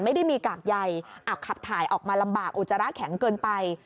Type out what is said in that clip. ไม่ได้มีกากใยขับถ่ายออกมาลำบากอุจจาระแข็งเกินไป